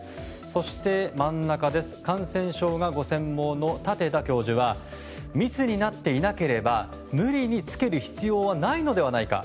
そして感染症がご専門の舘田教授は密になっていなければ無理に着ける必要はないのではないか。